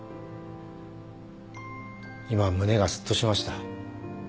今胸がスッとしました。